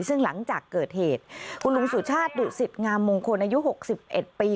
ซึ่งหลังจากเกิดเหตุคุณลุงสุชาติดุสิตงามมงคลอายุ๖๑ปี